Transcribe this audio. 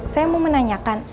saya mau menanyakan